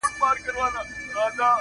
• د مرګ په خوب به چېرته ویده یم -